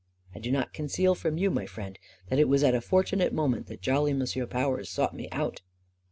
I do not conceal from you, my friend, that it was at a fortunate moment that jolly M'sieu Powers sought me out."